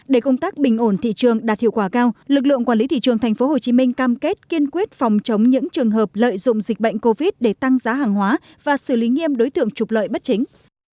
để công tác bình ổn thị trường đạt hiệu quả cao lực lượng quản lý thị trường tp hcm cam kết kiên quyết phòng chống những trường hợp lợi dụng dịch bệnh covid để tăng giá hàng hóa và xử lý nghiêm đối tượng trục lợi bất chính